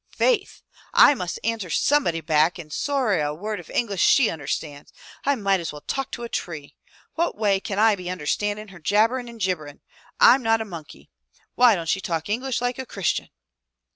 "Faith! I must answer somebody back and sorra a word of English she understands. I might as well talk to a tree! What way can I be understandin' her jabberin' and jibberin'? I'm not a monkey. Why don't she talk English like a Christian?"